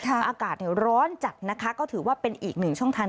อากาศร้อนจัดนะคะก็ถือว่าเป็นอีกหนึ่งช่องทาง